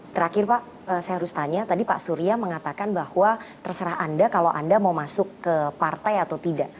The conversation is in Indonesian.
terakhir pak saya harus tanya tadi pak surya mengatakan bahwa terserah anda kalau anda mau masuk ke partai atau tidak